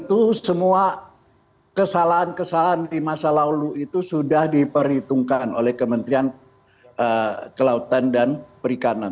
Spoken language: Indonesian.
itu semua kesalahan kesalahan di masa lalu itu sudah diperhitungkan oleh kementerian kelautan dan perikanan